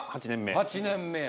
８年目や。